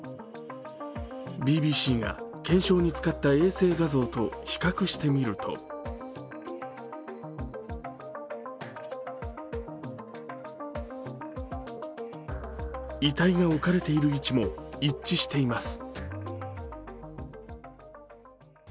ＢＢＣが検証に使った衛星画像と比較してみると遺体が置かれている位置も一致しています。